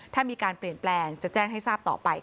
ถ้ามีการเปลี่ยนแปลงจะแจ้งให้ทราบต่อไป